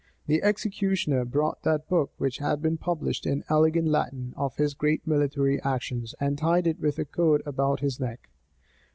The executioner brought that book which had been published in elegant Latin, of his great military actions, and tied it with a cord about his neck.